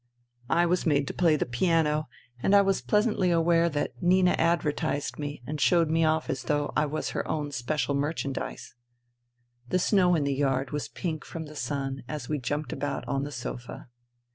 I was made to play the piano, and I was pleasantly aware that Nina advertised me and showed me off as though I was her own special merchandise. The snow in the yard was pink from the sun as we jumped about on the sofa.